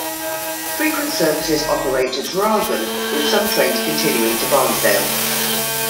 Frequent services operate to Traralgon, with some trains continuing to Bairnsdale.